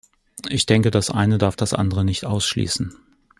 Ich denke, das eine darf das andere nicht ausschließen.